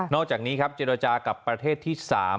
อกจากนี้ครับเจรจากับประเทศที่๓